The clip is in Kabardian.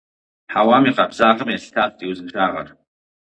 Хьэуам и къабзагъым елъытащ ди узыншагъэр.